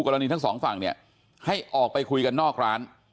ทั้งสองฝั่งเนี่ยให้ออกไปคุยกันนอกร้าน